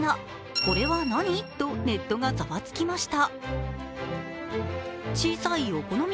これは何？とネットがざわつきました。